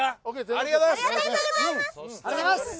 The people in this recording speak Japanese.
ありがとうございます。